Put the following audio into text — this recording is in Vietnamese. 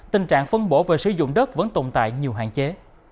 tình trạng phân bổ về sử dụng đất vẫn tồn tại nhiều hạn chế